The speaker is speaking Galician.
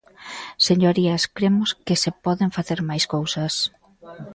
Señorías, cremos que se poden facer máis cousas.